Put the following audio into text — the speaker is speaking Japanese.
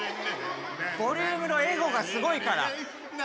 ボリュームのエゴがすごいから。